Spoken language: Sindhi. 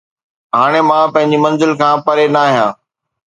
هاڻي مان پنهنجي منزل کان پري ناهيان